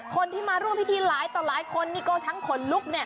คนที่มาร่วมพิธีหลายต่อหลายคนนี่ก็ทั้งขนลุก